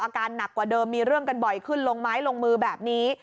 อาการหนักกว่าเดิมมีเรื่องกันบ่อยขึ้นลงไม้ลงมือแบบนี้